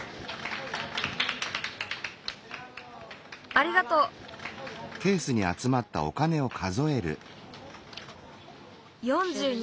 ありがとう！４２